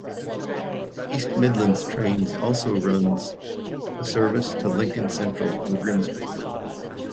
East Midlands Trains also runs a service to Lincoln Central and Grimsby.